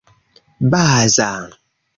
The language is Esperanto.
baza